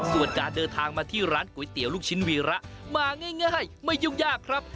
ส่วนการเดินทางมาที่ร้านก๋วยเตี๋ยวลูกชิ้นวีระมาง่ายไม่ยุ่งยากครับ